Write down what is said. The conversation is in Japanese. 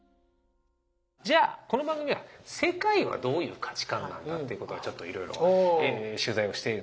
じゃあこの番組は世界はどういう価値観なんだってことをちょっといろいろ取材をしているので。